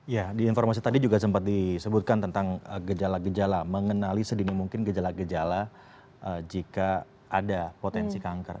ya di informasi tadi juga sempat disebutkan tentang kejala kejala mengenali sedini mungkin kejala kejala jika ada potensi kanker